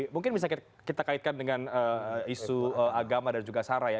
mungkin bisa kita kaitkan dengan isu agama dan juga sara ya